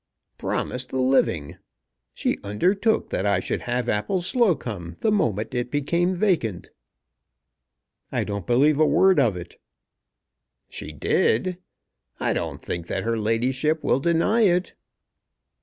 "Promised the living! She undertook that I should have Appleslocombe the moment it became vacant." "I don't believe a word of it." "She did. I don't think that her ladyship will deny it."